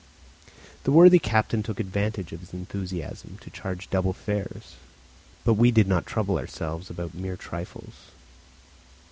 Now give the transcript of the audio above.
The worthy captain took advantage of his enthusiasm to charge double fares; but we did not trouble ourselves about mere trifles.